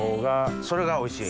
それがおいしい？